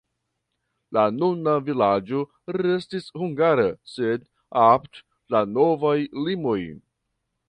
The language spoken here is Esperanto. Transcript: La nuna vilaĝo restis hungara, sed apud la novaj limoj.